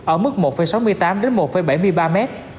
ở mức một sáu mươi tám đến một bảy mươi ba mét